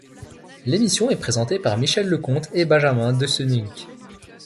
L'émission est présentée par Michel Lecomte et Benjamin Deceuninck.